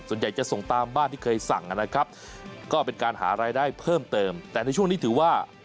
ส่วนใหญ่จะส่งตามบ้านที่เคยสั่งนะครับก็เป็นการหารายได้เพิ่มเติมแต่ในช่วงนี้ถือว่า